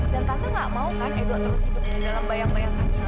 dan tante nggak mau kan edo terus hidup di dalam bayang bayang kamila